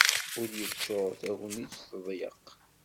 Ul yeččur, tagnit teḍyeq.